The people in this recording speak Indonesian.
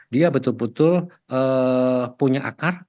dia betul betul punya akar